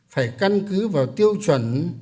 phải căn cứ vào tiêu chuẩn